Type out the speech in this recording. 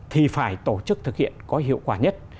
thì phải tổ chức thực hiện có hiệu quả nhất